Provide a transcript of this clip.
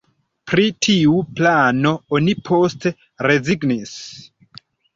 Pri tiu plano oni poste rezignis.